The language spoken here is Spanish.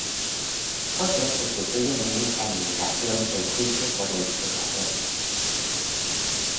Otros sustituyen en esta enumeración el juicio por el "Purgatorio".